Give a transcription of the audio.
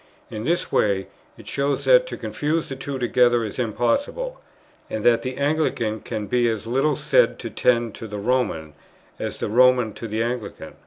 In this way it shows that to confuse the two together is impossible, and that the Anglican can be as little said to tend to the Roman, as the Roman to the Anglican.